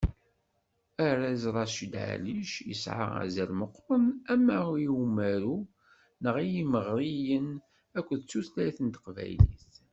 Arraz Racid Ɛellic yesɛa azal meqqren ama i umaru, neɣ i yimeɣriyen, akked tutlayt n teqbaylit.